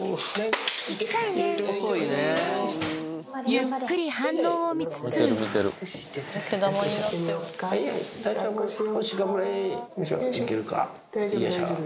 ゆっくり反応を見つつよいしょ。